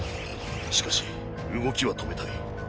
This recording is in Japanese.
しかし動きは止めたい。